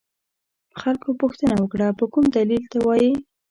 خلکو پوښتنه وکړه په کوم دلیل ته وایې.